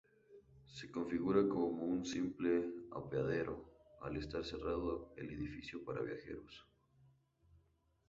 Se configura como un simple apeadero al estar cerrado el edificio para viajeros.